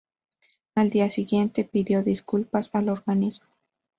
Al día siguiente, pidió disculpas al organismo.